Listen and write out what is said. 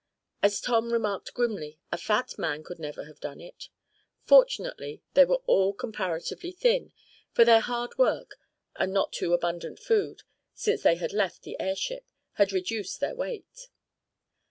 As Tom remarked grimly, a fat man never could have done it. Fortunately they were all comparatively thin, for their hard work, and not too abundant food, since they had left the airship, had reduced their weight.